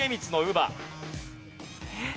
えっ？